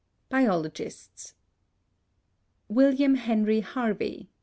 BIOLOGISTS. William Henry Harvey (b.